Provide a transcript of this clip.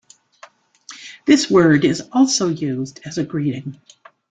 This word is also used as a greeting.